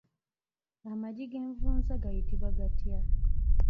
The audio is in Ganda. Amagi g'envunza gayitibwa gatya?